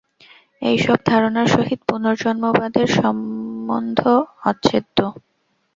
এই সব ধারণার সহিত পুনর্জন্মবাদের সম্বন্ধ অচ্ছেদ্য।